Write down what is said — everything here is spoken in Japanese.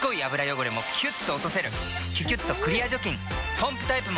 ポンプタイプも！